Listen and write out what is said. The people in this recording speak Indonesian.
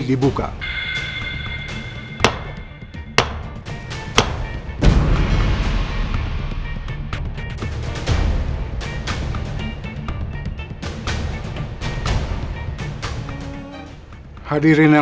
sida udah mau dimulai